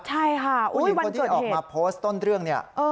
ใช่ค่ะวันจดเฮตเอ็นผู้หญิงคนที่ออกมาโพสต์ต้นเรื่องเนี่ย